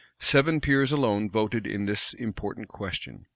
Seven peers alone voted in this important question.